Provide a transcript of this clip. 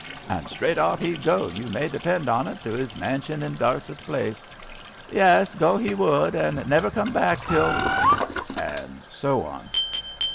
And straight off he'd go, you may depend on't, to his mansion in Darset Place. Yes, go he would, and never come back till" — ^and so on.